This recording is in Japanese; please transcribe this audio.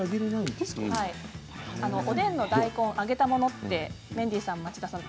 おでんの大根を揚げたものってメンディーさん、町田さん